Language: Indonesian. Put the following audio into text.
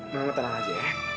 mama tenang aja ya